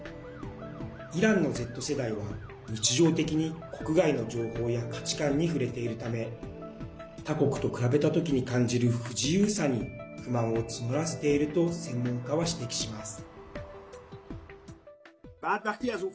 イランのＺ世代は日常的に国外の情報や価値観に触れているため他国と比べた時に感じる不自由さに不満を募らせていると専門家は指摘します。